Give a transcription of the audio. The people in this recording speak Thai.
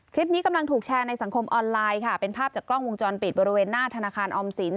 คลิปนี้กำลังถูกแชร์ในสังคมออนไลน์ค่ะเป็นภาพจากกล้องวงจรปิดบริเวณหน้าธนาคารออมสิน